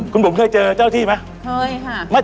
คุณบุ๋มเคยเจอเจ้าที่ไหมเคยค่ะ